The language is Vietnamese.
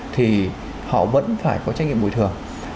thì họ vẫn phải có trách nhiệm bồi thường